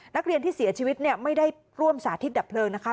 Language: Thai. นักเรียนที่เสียชีวิตเนี่ยไม่ได้ร่วมสาธิตดับเพลิงนะคะ